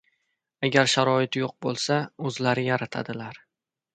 Agar sharoit yo‘q bo‘lsa, o‘zlari yaratadilar.